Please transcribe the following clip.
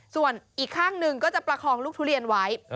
ส่วนอีกข้างหนึ่งก็จะประคองลูกทุเรียนไว้